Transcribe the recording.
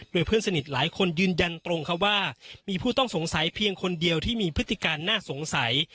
โดยเพื่อนสนิทหลายคนยืนยันตรงครับว่ามีผู้ต้องสงสัยเพียงคนเดียวที่มีพฤติการน่าสงสัย